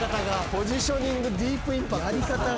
ポジショニングディープインパクト。